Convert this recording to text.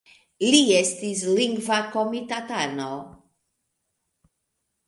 Li estis Lingva Komitatano.